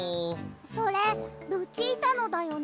それルチータのだよね？